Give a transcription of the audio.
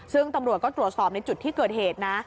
ซึ่งตำรวจก็ตรวจสอบในจุดที่เกิดเหตุนะ